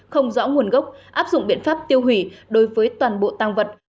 không rõ nguồn gốc áp dụng biện pháp tiêu hủy đối với toàn bộ tăng vật